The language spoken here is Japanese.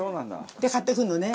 で買ってくるのね。